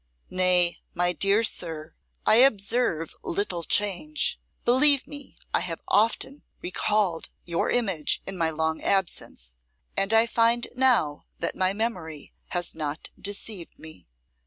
'Nay! my dear sir, I observe little change. Believe me, I have often recalled your image in my long absence, and I find now that my memory has not deceived me.